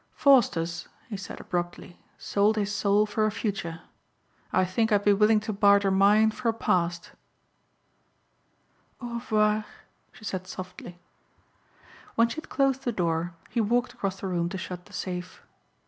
"Faustus," he said abruptly, "sold his soul for a future. I think I'd be willing to barter mine for a past." "Au revoir," she said softly. When she had closed the door he walked across the room to shut the safe.